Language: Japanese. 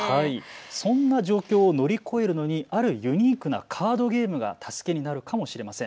そんな状況を乗り越えるのにあるユニークなカードゲームが助けになるかもしれません。